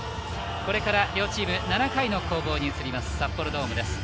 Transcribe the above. これから両チーム７回の攻防に移ります札幌ドームです。